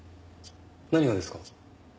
何がですか？